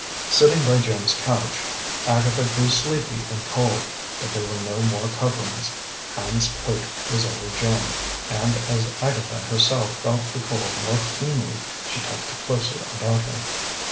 Sitting by Jim's couch, Agatha grew sleepy and cold, but there were no more coverings. Hand's coat was over Jim, and as Agatha herself felt the cold more keenly she tucked it closer about him.